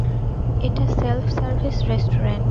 এটা self service restaurant!